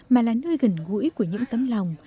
mà là nơi gần gũi của những tấm lòng